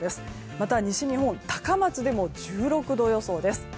また、西日本高松でも１６度予想です。